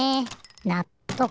なっとく。